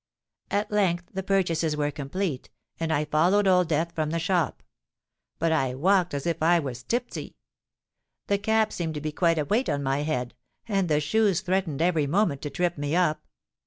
"At length the purchases were complete; and I followed Old Death from the shop. But I walked as if I was tipsy. The cap seemed to be quite a weight on my head; and the shoes threatened every moment to trip me up.